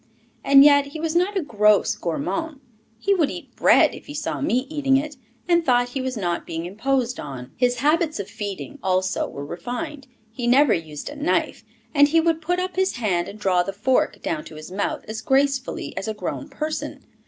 And yet he was not a gross gourmand; he would eat bread if he saw me eating it, and thought he was not being imposed on. His habits of feeding, also, were refined; he never used a knife, and he would put up his hand and draw the fork down to his mouth as gracefully as a grown person.